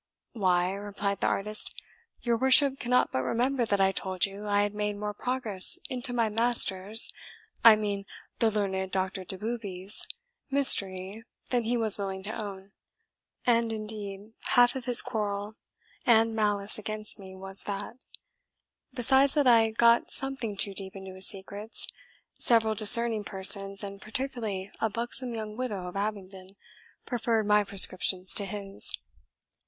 "Why," replied the artist, "your worship cannot but remember that I told you I had made more progress into my master's I mean the learned Doctor Doboobie's mystery than he was willing to own; and indeed half of his quarrel and malice against me was that, besides that I got something too deep into his secrets, several discerning persons, and particularly a buxom young widow of Abingdon, preferred my prescriptions to his."